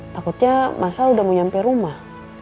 takutnya mas al udah mau nyampe rumah